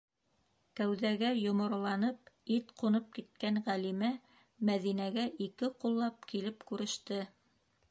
Кәүҙәгә йомороланып, ит ҡунып киткән Ғәлимә Мәҙинәгә ике ҡуллап килеп күреште: